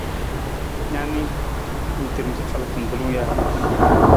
Na ni, ng tem rafal kimbilung ja?